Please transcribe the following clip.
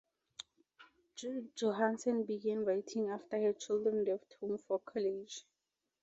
Johansen began writing after her children left home for college.